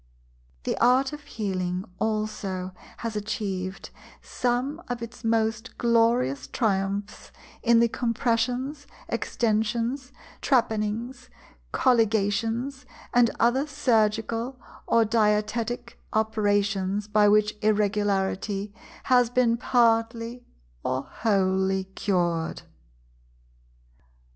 The art of healing also has achieved some of its most glorious triumphs in the compressions, extensions, trepannings, colligations, and other surgical or diaetetic operations by which Irregularity has been partly or wholly cured.